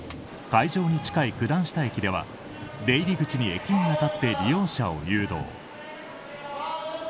会場に近い九段下駅では出入り口に駅員が立って利用者を誘導。